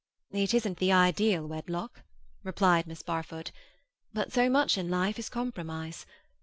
"It isn't the ideal wedlock," replied Miss Barfoot. "But so much in life is compromise.